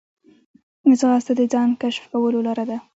ځغاسته د ځان کشف کولو لاره ده